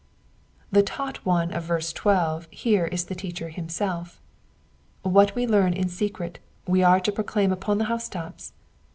^^ The taught one of verse 12 is here a teacher himself. What we learn in secret we ore to proclaim upon the housetops.